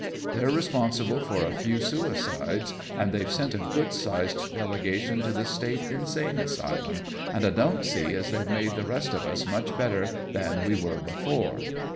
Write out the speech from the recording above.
They're responsible for a few suicides, and they've sent a good sized delegation to the state insane asylum, an' I don't see as they've made the rest of us much better than we were before.